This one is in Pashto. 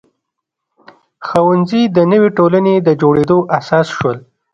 ښوونځي د نوې ټولنې د جوړېدو اساس شول.